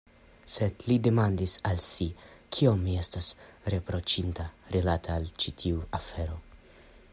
Sed, li demandis al si, kiom mi estas riproĉinda rilate al ĉi tiu afero?